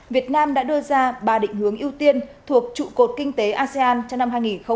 việt nam đã đưa ra ba định hướng ưu tiên thuộc trụ cột kinh tế asean cho năm hai nghìn hai mươi